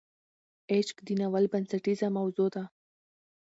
عشق د ناول بنسټیزه موضوع ده.